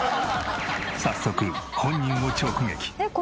早速本人を直撃！